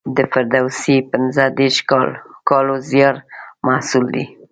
د فردوسي پنځه دېرش کالو زیار محصول دی.